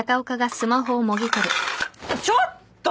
ちょっと！